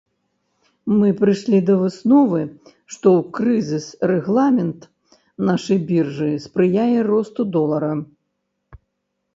Мы прыйшлі да высновы, што ў крызіс рэгламент нашай біржы спрыяе росту долара.